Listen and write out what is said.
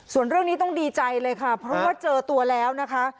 ส่วนเรื่องนี้ต้องดีใจเลยค่ะเพราะว่าเจอตัวแล้วนะคะ